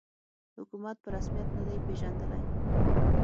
حکومت په رسمیت نه دی پېژندلی